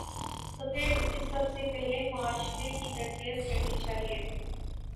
تو پھر اسے سب سے پہلے معاشرے کی تربیت کرنی چاہیے۔